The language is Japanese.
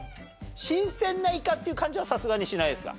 新鮮なイカっていう感じはさすがにしないですか？